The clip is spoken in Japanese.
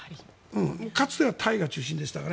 かつてはタイが中心でしたが。